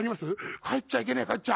帰っちゃいけねえ帰っちゃ。